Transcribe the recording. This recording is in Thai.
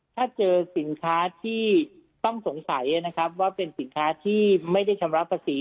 ถ้าเจอสินค้าที่ต้องสงสัยนะครับว่าเป็นสินค้าที่ไม่ได้ชำระภาษี